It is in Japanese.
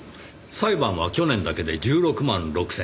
裁判は去年だけで１６万６０００件。